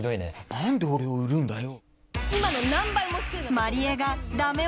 何で俺を売るんだよ。